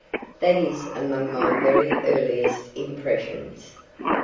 That is among my very earliest impressions.